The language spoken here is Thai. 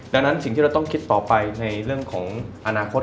ดังนั้นสิ่งที่เราต้องคิดต่อไปในเรื่องของอนาคต